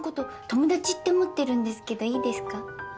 友達って思ってるんですけどいいですか？